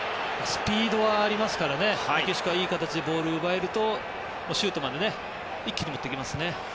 スピードはありますからメキシコはいい形でボールを奪えるとシュートまで一気に持っていけますね。